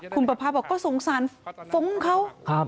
คุณประภาษณ์บอกว่าสงสารฝงเขา